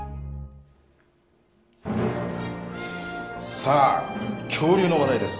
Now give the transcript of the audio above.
さあ、恐竜の話題です。